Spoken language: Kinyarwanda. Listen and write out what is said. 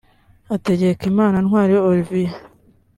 Hategekimana Ntwari Olivier